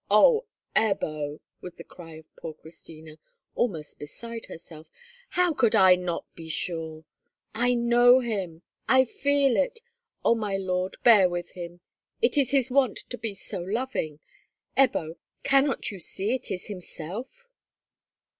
"Oh, Ebbo," was the cry of poor Christina, almost beside herself, "how could I not be sure? I know him! I feel it! Oh, my lord, bear with him. It is his wont to be so loving! Ebbo, cannot you see it is himself?"